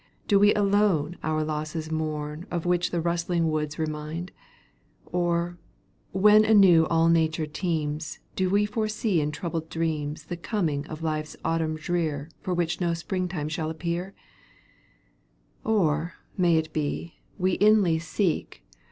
Do we alone our losses mourn Of which the rustling woods remind ? Or, when anew all Nature teems. Do we foresee in troubled dreams The coming of life's Autumn drear For which no springtime shall appear 1 Or, it may be, we inly seek.